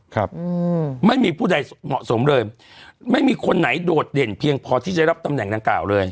ครับอืมไม่มีผู้ใดเหมาะสมเลยไม่มีคนไหนโดดเด่นเพียงพอที่จะรับตำแหน่งดังกล่าวเลย